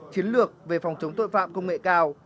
chiến lược về phòng chống tội phạm công nghệ cao